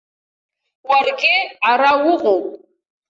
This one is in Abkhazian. Уаргьы ара уҟоуп.